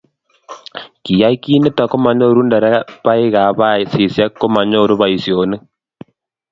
kiyai kiit nito komanyoru nderebaikab basisiek ko manyoru boisionik.